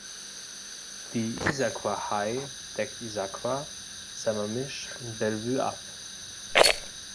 Die Issaquah High deckt Issaquah, Sammamish und Bellevue ab.